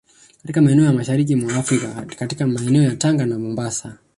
katika maeneo ya Mashariki mwa Afrika katika meeneo ya Tanga na Mombasa